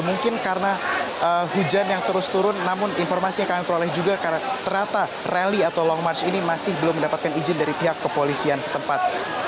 mungkin karena hujan yang terus turun namun informasi yang kami peroleh juga karena ternyata rally atau long march ini masih belum mendapatkan izin dari pihak kepolisian setempat